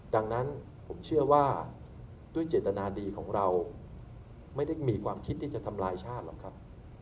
ดังนั้นผมเชื่อว่าด้วยเจตนาดีของเราไม่ได้มีความคิดที่จะทำลายชาติหรอกครับ